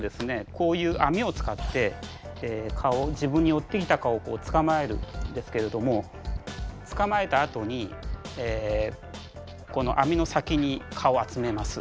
こういう網を使って蚊を自分に寄ってきた蚊を捕まえるんですけれども捕まえたあとにこの網の先に蚊を集めます。